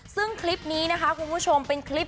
ซึ่งคลิปนี้คุณผู้ชม